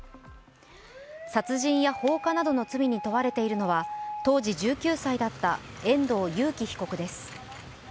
殺人や放火などの罪に問われているのは当時１９歳だった遠藤裕喜被告です。